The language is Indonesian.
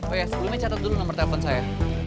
oh ya sebelumnya catat dulu nomor telepon saya